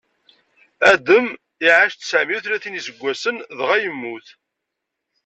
Adam iɛac tteɛmeyya u tlatin n iseggasen, dɣa yemmut.